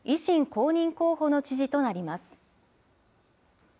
公認候補の知事となります。